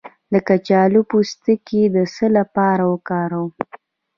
د کچالو پوستکی د څه لپاره وکاروم؟